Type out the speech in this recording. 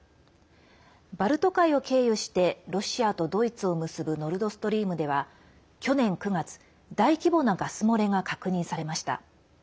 バルト海を経由してロシアとドイツを結ぶノルドストリームでは去年９月、大規模なガス漏れが確認されました。